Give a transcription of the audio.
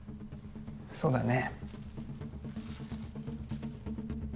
そうだね